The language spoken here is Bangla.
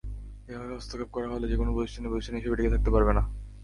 এভাবে হস্তক্ষেপ করা হলে যেকোনো প্রতিষ্ঠানই প্রতিষ্ঠান হিসেবে টিকে থাকতে পারবে না।